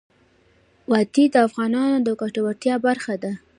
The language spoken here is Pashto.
وادي د افغانانو د ګټورتیا برخه ده.